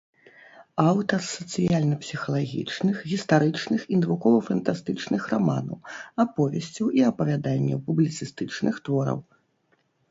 Аўтар сацыяльна-псіхалагічных, гістарычных і навукова-фантастычных раманаў, аповесцяў і апавяданняў, публіцыстычных твораў.